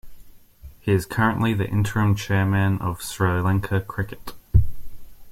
He is currently the interim chairman of Sri Lanka Cricket.